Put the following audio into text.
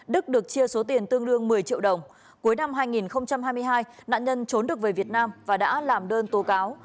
đức được chia số tiền tương đương một mươi triệu đồng cuối năm hai nghìn hai mươi hai nạn nhân trốn được về việt nam và đã làm đơn tố cáo